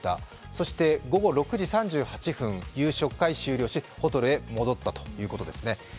そして午後６時３８分、夕食会が終了し、ホテルへ戻ったということですね。